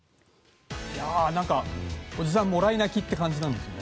おじさん、もらい泣きって感じなんですけど。